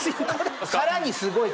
さらにすごい方。